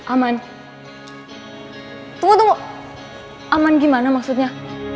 aman tunggu tunggu aman gimana maksudnya